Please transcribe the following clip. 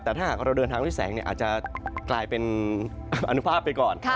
แต่ถ้าหากเราเดินทางด้วยแสงอาจจะกลายเป็นอนุภาพไปก่อน